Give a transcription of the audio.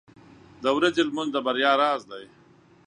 • د ورځې لمونځ د بریا راز دی.